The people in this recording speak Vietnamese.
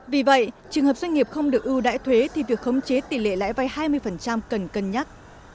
vì vậy trường hợp doanh nghiệp không được ưu đãi thuế thì việc khống chế tỷ lệ lãi vay hai mươi cần cân nhắc